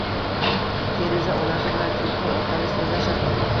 Feruza onasi bilan telefon orqali so‘zlashadi.